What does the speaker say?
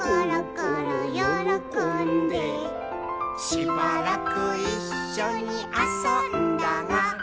「しばらくいっしょにあそんだが」